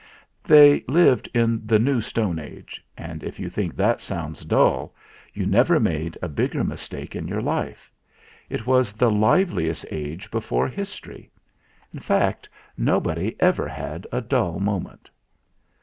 They lived in the New Stone Age, and if you think that sounds dull, you never made ii 12 THE FLINT HEART a bigger mistake in your life. It was the liveliest age before history. In fact, nobody ever had a dull moment.